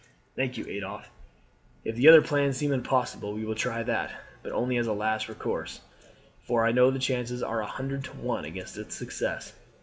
"Thank you, Adolphe. If the other plans seem impossible we will try that, but only as a last resource; for I know the chances are a hundred to one against its success.